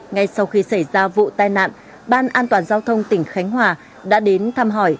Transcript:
ngay sau khi xảy ra vụ tai nạn ban an toàn giao thông tỉnh khánh hòa đã đến thăm hỏi